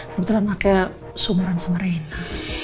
kebetulan anaknya sumeran sama reina